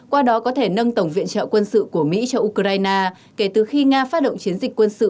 qua đó có thể nâng tổng viện trợ quân sự của mỹ cho ukraine kể từ khi nga phát động chiến dịch quân sự